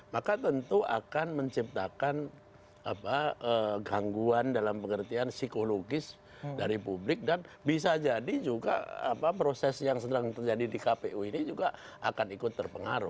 maka tentu akan menciptakan gangguan dalam pengertian psikologis dari publik dan bisa jadi juga proses yang sedang terjadi di kpu ini juga akan ikut terpengaruh